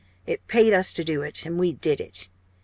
It paid us to do it, and we did it.